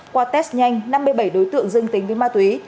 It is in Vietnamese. qua test nhanh năm mươi bảy đối tượng dương tính với ma túy